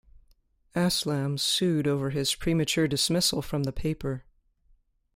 Aslam sued over his premature dismissal from the paper.